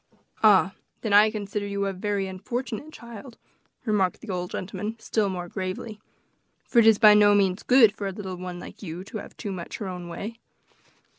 "Ah! then I consider you a very unfortunate child," remarked the old gentleman, still more gravely; "for it is by no means good for a little one like you to have too much of her own way."